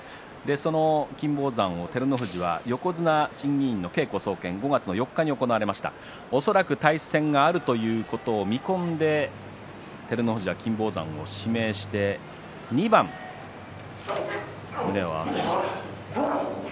その金峰山、照ノ富士は横綱審議委員会の稽古総見で恐らく対戦があるということを見込んで照ノ富士は金峰山を指名して２番、胸を合わせました。